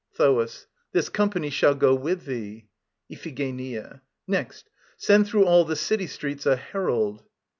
THOAS. This company shall go with thee. IPHIGENIA. Next, send through all the city streets a herald